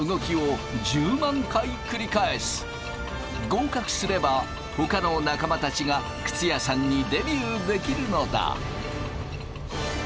合格すればほかの仲間たちが靴屋さんにデビューできるのだ！